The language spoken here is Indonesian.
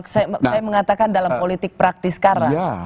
saya mengatakan dalam politik praktis sekarang